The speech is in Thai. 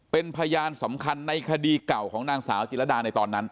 เป็นพยานสำคัญในคดีเก่าของนางสาวจิรดาในตอนนั้น